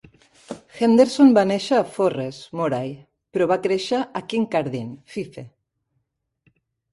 Henderson va néixer a Forres, Moray, però va créixer a Kincardine, Fife.